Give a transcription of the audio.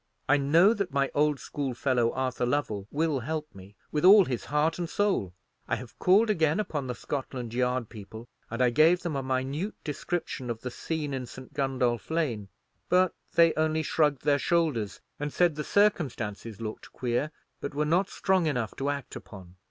I know that my old schoolfellow Arthur Lovell will help me, with all his heart and soul. I have called again upon the Scotland Yard people, and I gave them a minute description of the scene in St. Gundolph Lane; but they only shrugged their shoulders, and said the circumstances looked queer, but were not strong enough to act upon.